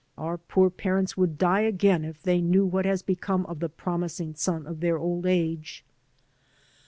Our poor parents would die again if they knew what has become of the promising son of their old age."